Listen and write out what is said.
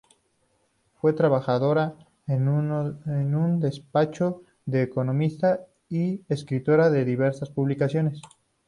Fue trabajadora en un despacho de economistas y escritora en diversas publicaciones.